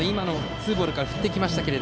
ツーボールから振ってきましたが。